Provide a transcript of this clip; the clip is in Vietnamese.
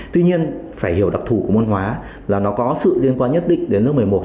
tuy nhiên phải hiểu đặc thù của môn hóa là nó có sự liên quan nhất định đến lớp một mươi một